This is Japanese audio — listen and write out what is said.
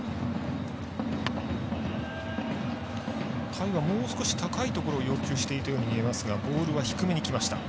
甲斐がもう少し高いところを要求していたように見えますがボールは低めにきました。